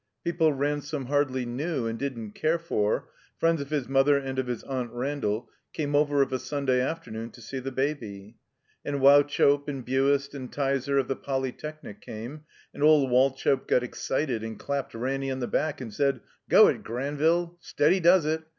People Ransome hardly knew and didn't care for, friends of his mother and of his Aunt Randall, came over of a Sunday afternoon to see the Baby. And Wauchope and Buist and Tyser of the Polytechnic came; and old Wauchope got excited and clapped Ranny on the back and said: ''Go it, Granville! Steady does it.